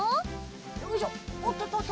よいしょおっとっとっと。